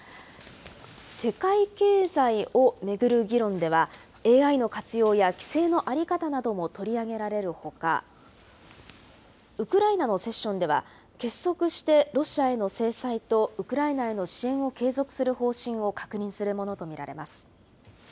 世界経済を巡る議論では、ＡＩの活用や規制の在り方なども取り上げられるほか、ウクライナのセッションでは、結束してロシアへの制裁とウクライナへの支援を継続する方針を確認するものと見られます。